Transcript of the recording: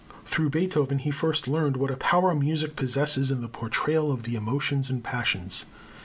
Through Beethoven he first learned what a power music possesses in the portrayal of the emotions and passions.